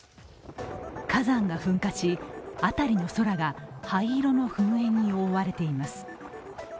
火山が噴火し、辺りの空が灰色の噴煙に覆われています。